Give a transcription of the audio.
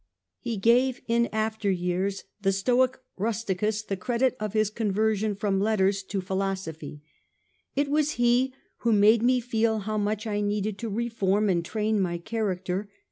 He gave in after years the Stoic Rusticus the credit of his conversion from ' letters to philosophy. ' It was he who made me feel how much I needed to reform and train my character.